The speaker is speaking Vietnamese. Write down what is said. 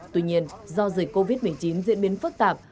tuy nhiên do dịch covid một mươi chín diễn biến phức tạp